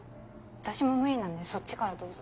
私も無理なんでそっちからどうぞ。